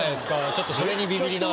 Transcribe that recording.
ちょっとそれにビビりながら。